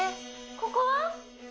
ここは？